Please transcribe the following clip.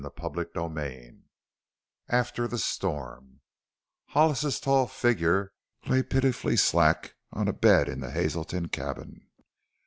CHAPTER XII AFTER THE STORM Hollis's tall figure lay pitifully slack on a bed in the Hazelton cabin.